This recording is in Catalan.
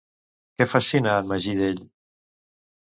Què fascina en Magí d'ell?